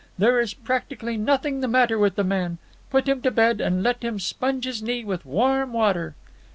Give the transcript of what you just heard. There is practically nothing the matter with the man. Put him to bed, and let him sponge his knee with warm water."